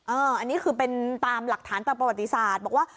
อันนี้คือเป็นตามหลักฐานตามประวัติศาสตร์บอกว่า